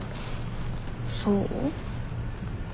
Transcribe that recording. そう？